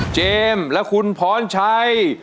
เจมส์และคุณพรณชัย